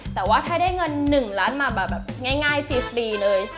แต่ว่าถ้าได้เงิน๑ล้านมาแบบง่ายซีสปีเลย